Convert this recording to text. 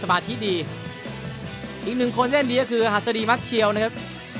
มาที่ดีอีกหนึ่งคนเล่นดีก็คือหัสดีมักเชียวนะครับ